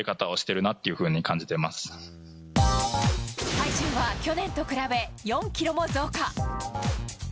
体重は、去年と比べ４ｋｇも増加。